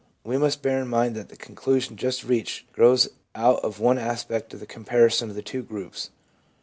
We must bear in mind that the conclusion just reached grows out of only one aspect of the comparison of the two groups.